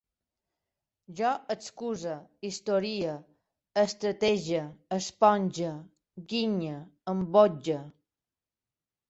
Jo excuse, historie, estretege, esponge, guinye, embotge